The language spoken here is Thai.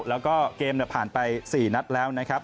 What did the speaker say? แล้วก็เกมผ่านไป๔นัดแล้วนะครับ